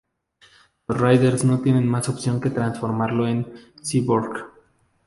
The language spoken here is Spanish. Los Riders no tienen más opción que transformarlo en un cyborg.